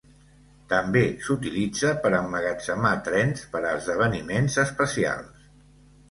També s'utilitza per emmagatzemar trens per a esdeveniments especials.